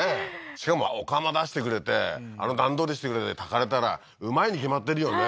しかもお釜出してくれてあの段取りしてくれて炊かれたらうまいに決まってるよね？